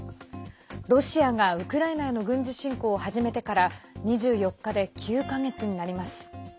ロシアがウクライナへの軍事侵攻を始めてから２４日で９か月になります。